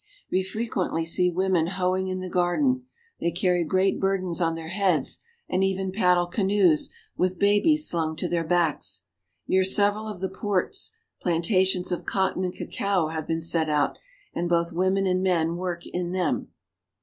We fre quently see women hoeing in the gardens; they carry great burdens on their heads, and even paddle canoes, with babies slung to their backs. Near several of the ports plantations of cotton and cacao have been set out, and both women and men work in them.